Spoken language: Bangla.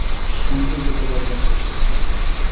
সামনে যেতে পারবে না।